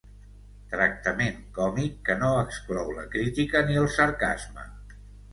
Tractament còmic que no exclou la crítica ni el sarcasme.